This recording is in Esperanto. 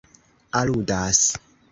aludas